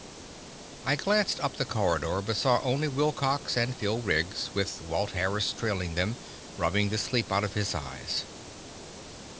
I glanced up the corridor but saw only Wilcox and Phil Riggs, with Walt Harris trailing them, rubbing the sleep out of his eyes.